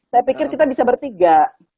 saya pikir kita bisa bertiga